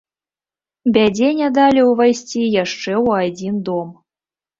Бядзе не далі ўвайсці яшчэ ў адзін дом.